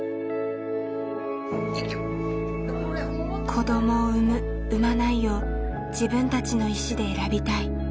子どもを産む・産まないを自分たちの意思で選びたい。